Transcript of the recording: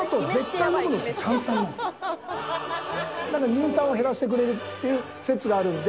乳酸を減らしてくれるっていう説があるので。